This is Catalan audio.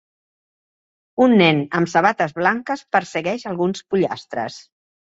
Un nen amb sabates blanques persegueix alguns pollastres